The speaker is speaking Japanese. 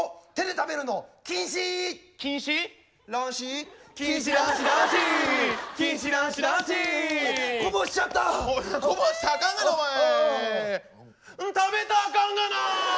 食べたあかんがな！